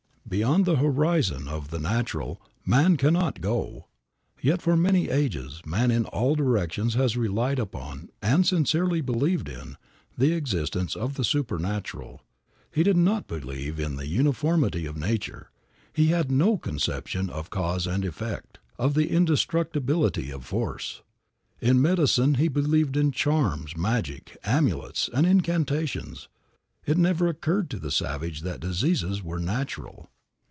Beyond the horizon of the natural man cannot go. Yet, for many ages, man in all directions has relied upon, and sincerely believed in, the existence of the supernatural. He did not believe in the uniformity of nature; he had no conception of cause and effect, of the indestructibility of force. In medicine he believed in charms, magic, amulets, and incantations. It never occurred to the savage that diseases were natural.